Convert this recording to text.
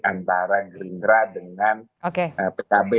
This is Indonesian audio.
antara gerindra dengan pkb